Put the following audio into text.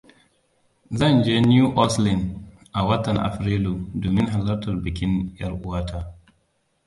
Zan je New Oeleans a watan Afrilu, domin halartar bikin ƴar uwata.